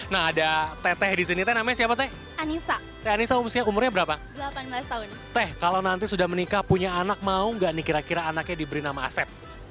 nah ada teteh disini teh namanya siapa teh anissa teh anissa usia umurnya berapa delapan belas tahun teh kalau nanti sudah menikah punya anak mau nggak nih kira kira anaknya diberi nama asep